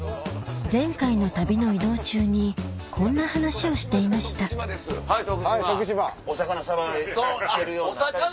前回の旅の移動中にこんな話をしていましたお魚さばけるように。